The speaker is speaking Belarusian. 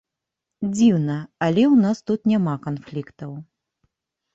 Дзіўна, але ў нас тут няма канфліктаў.